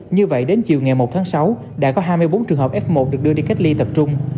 như vậy đến chiều ngày một tháng sáu đã có hai mươi bốn trường hợp f một được đưa đi cách ly tập trung